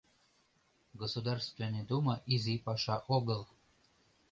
— Государственный дума изи паша огыл.